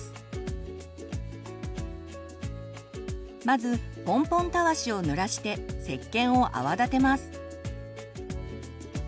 まずポンポンたわしをぬらしてせっけんを泡立てます。